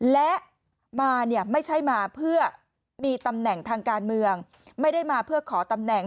และมาเนี่ยไม่ใช่มาเพื่อมีตำแหน่งทางการเมืองไม่ได้มาเพื่อขอตำแหน่ง